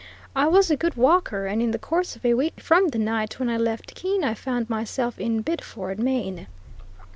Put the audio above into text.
I was a good walker, and in the course of a week from the night when I left Keene, I found myself in Biddeford, Maine.